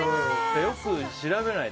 よく調べないと。